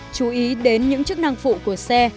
chú ý đến những chức năng phụ của xe